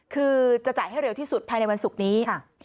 คือจะจ่ายให้เร็วที่สุดภายในวันศุกร์นี้ค่ะ